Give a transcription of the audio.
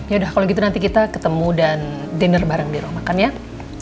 yaudah kalo gitu nanti kita ketemu dan dinner bareng di ruang makan yaudah